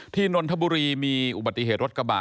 นนทบุรีมีอุบัติเหตุรถกระบะ